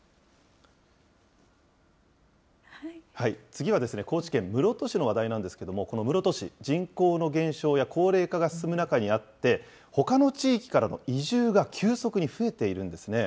次は、高知県室戸市の話題なんですけれども、この室戸市、人口の減少や高齢化が進む中にあって、ほかの地域からの移住が急速に増えているんですね。